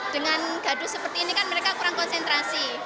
dengan gaduh seperti ini kan mereka kurang konsentrasi